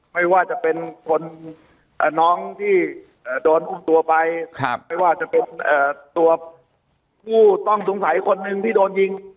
ไม่ว่าจะเป็นคนน้องที่โดนอุ้มตัวไปไม่ว่าจะเป็นตัวผู้ต้องสงสัยคนหนึ่งที่โดนยิง